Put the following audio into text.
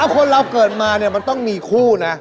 คนเราเกิดมามันต้องมีคู่นะ